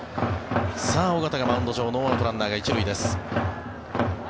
尾形がマウンド上ノーアウト、ランナー１塁です。